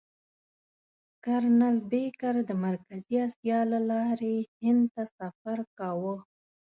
کرنل بېکر د مرکزي اسیا له لارې هند ته سفر کاوه.